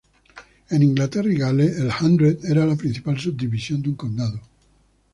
En Inglaterra y Gales el "hundred" era la principal subdivisión de un condado.